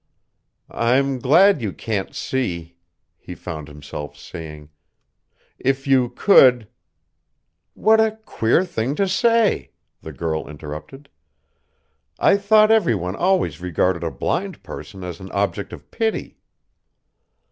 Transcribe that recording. "I'm glad you can't see," he found himself saying. "If you could " "What a queer thing to say," the girl interrupted. "I thought every one always regarded a blind person as an object of pity."